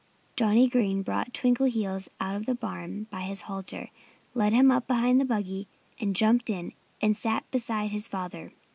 Johnnie Green brought Twinkleheels out of the barn by his halter, led him up behind the buggy, and jumped in and sat beside his father.